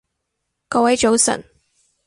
各位早晨